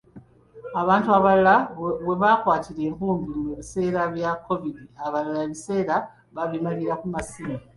Abantu abalala webakwatira enkumbi mu biseera bya covid, abalala ebiseera babimalira ku masimu.